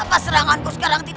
aku tidak bisa menangkapmu